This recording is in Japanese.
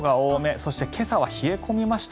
そして今朝は冷え込みました。